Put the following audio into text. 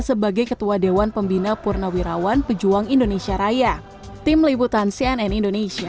sebagai ketua dewan pembina purnawirawan pejuang indonesia raya tim liputan cnn indonesia